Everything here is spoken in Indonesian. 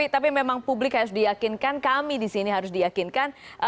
tapi memang publik harus diyakinkan kami di sini harus diyakinkan